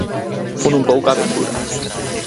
Fun un pouco á aventura.